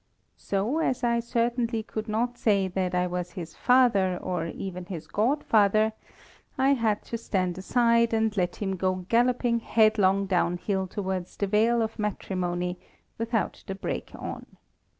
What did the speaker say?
So, as I certainly could not say that I was his father, or even his godfather, I had to stand aside and let him go galloping headlong downhill towards the Vale of Matrimony without the brake on.